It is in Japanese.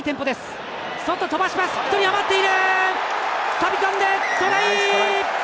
飛び込んで、トライ！